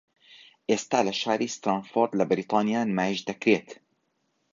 ئێستا لە شاری ستراتفۆرد لە بەریتانیا نمایشدەکرێت